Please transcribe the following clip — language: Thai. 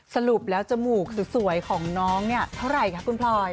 สรุปแล้วจมูกสวยของน้องเนี่ยเท่าไหร่คะคุณพลอย